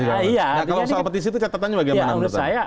nah kalau soal petisi itu catatannya bagaimana menurut anda